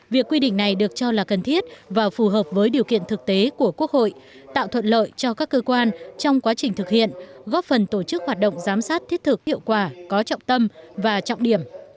việc quy định này được cho là cần thiết và phù hợp với điều kiện thực tế của quốc hội tạo thuận lợi cho các cơ quan trong quá trình thực hiện góp phần tổ chức hoạt động giám sát thiết thực hiệu quả có trọng tâm và trọng điểm